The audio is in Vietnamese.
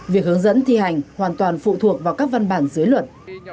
việc hướng dẫn thi hành hoàn toàn phụ thuộc vào các văn bản dưới luật